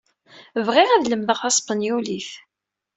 Bɣiɣ ad lemdeɣ taspenyulit.